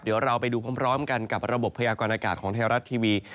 เดี๋ยวเราไปดูพร้อมกันกับระบบพยากรณากาศของไทยรัฐทีวี